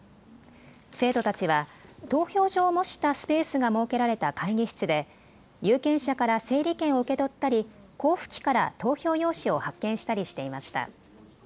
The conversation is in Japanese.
生徒たちは投票所を模したスペースが設けられた会議室で有権者から整理券を受け取ったり交付機から投票用紙を発券したりしていました。